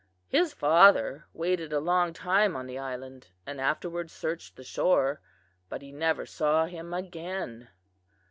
"His father waited a long time on the island and afterward searched the shore, but never saw him again.